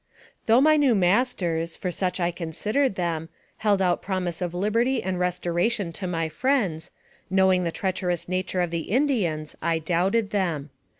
Though my new masters, for such I considered them, held out promise of liberty and restoration to my friends, knowing the treacherous nature of the Indians, I doubted them.